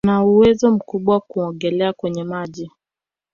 Ana uwezo mkubwa kuogelea kwenye maji